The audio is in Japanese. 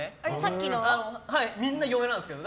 みんな嫁なんですけど